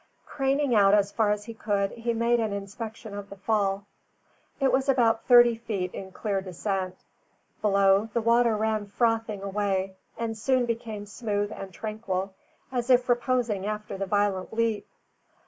Craning out as far as he could, he made an inspection of the fall. It was about thirty feet in clear descent. Below, the water ran frothing away and soon became smooth and tranquil, as if reposing after the violent leap.